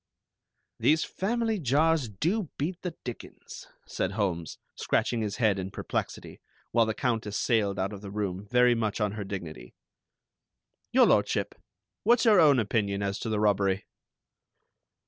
"These family jars do beat the dickens," said Holmes, scratching his head in perplexity, while the Countess sailed out of the room, very much on her dignity. "Your Lordship, what's your own opinion as to the robbery?"